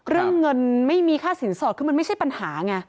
เรื่องเงินไม่มีค่าสินสอดคือมันไม่ใช่ปัญหาไง